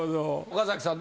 岡崎さん